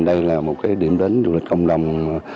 đây là một điểm đến du lịch cộng đồng